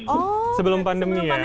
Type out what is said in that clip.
oh sebelum pandemi ya